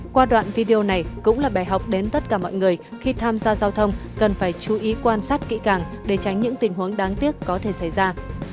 qua đoạn video này cũng là bài học đến tất cả mọi người khi tham gia giao thông cần phải chú ý quan sát kỹ càng để tránh những tình huống đáng tiếc có thể xảy ra